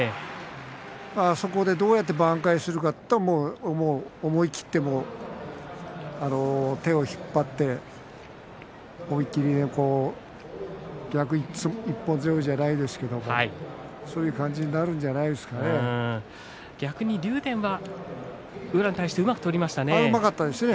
そこでどうやって挽回するかという思い切って手を引っ張って一本背負いじゃないですけれどそういう感じになるんじゃない逆に竜電はうまく取りましたね。